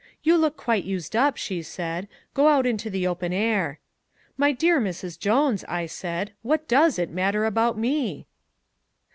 'You look quite used up,' she said. 'Go out into the open air.' 'My dear Mrs. Jones,' I said, 'what DOES it matter about me?'"